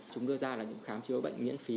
chúng đưa ra khám chứa bệnh miễn phí